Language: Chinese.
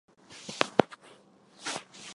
极低密度脂蛋白为一种由肝脏制造的脂蛋白。